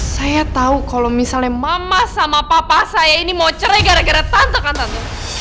saya tahu kalau misalnya mama sama papa saya ini mau cerai gara gara tante